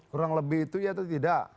kurang lebih itu ya atau tidak